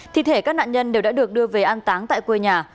thi thể các nạn nhân đều đã được đưa về an táng tại quê nhà